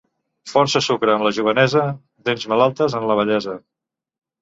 Força sucre en la jovenesa, dents malaltes en la vellesa.